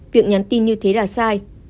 việc nhắn tin như thế là sai